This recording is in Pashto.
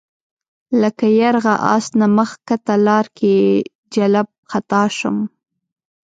لکه یرغه آس نه مخ ښکته لار کې جلَب خطا شم